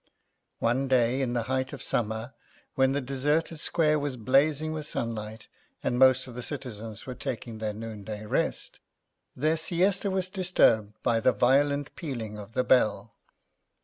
One day in the height of summer, when the deserted square was blazing with sunlight, and most of the citizens were taking their noonday rest, their siesta was disturbed by the violent pealing of the bell.